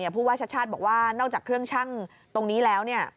พูดชัดบอกว่านอกจากเครื่องชั่งตรงนี้แล้ว